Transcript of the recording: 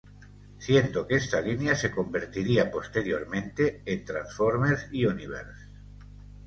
Siendo que esta línea se convertiría posteriormente en Transformers Universe.